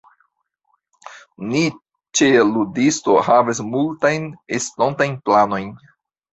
Ni ĉe Ludisto havas multajn estontajn planojn.